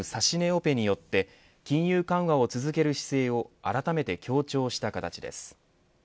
オペによって金融緩和を続ける姿勢をあらためて強調した形です。